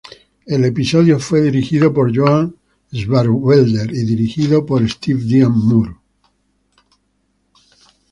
El episodio fue escrito por John Swartzwelder y dirigido por Steve Dean Moore.